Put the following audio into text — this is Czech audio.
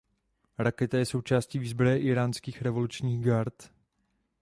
Raketa je součástí výzbroje Íránských revolučních gard.